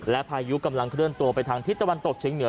และพายุกำลังเคลื่อนตัวไปทางทิศตะวันตกเชียงเหนือ